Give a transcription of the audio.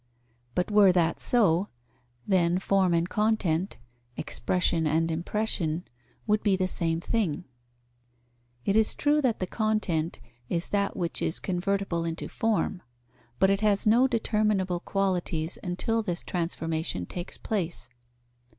But were that so, then form and content, expression and impression, would be the same thing. It is true that the content is that which is convertible into form, but it has no determinable qualities until this transformation takes place.